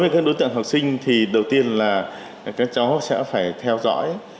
đối với các đối tượng học sinh thì đầu tiên là các cháu sẽ phải theo dõi